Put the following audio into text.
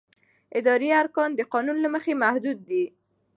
اداري ارګان د قانون له مخې محدود دی.